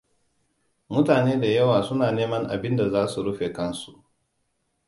Mutane da yawa suna neman abin da za su rufe kansu.